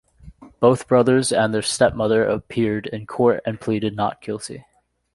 Both brothers and their stepmother appeared in court and pleaded "not guilty".